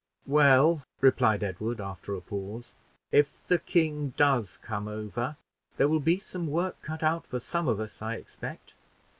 '" "Well," replied Edward, after a pause, "if the king does come over, there will be some work cut out for some of us, I expect.